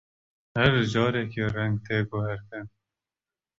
Her carekê, reng tê guhertin.